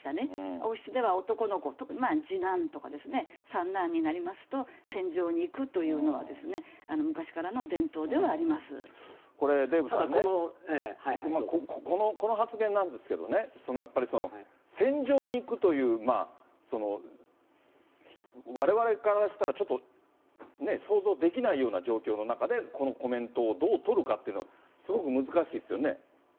王室では男の子、次男とか、三男になりますと、戦場に行くというのはですね、これ、デーブさんね、この発言なんですけれどもね、やっぱり戦場に行くという、われわれからしたら、ちょっとね、想像できないような状況の中で、このコメントをどう取るかっていうの、すごく難しいですよね。